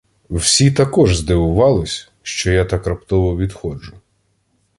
Всі також здивувались, що я так раптово відходжу.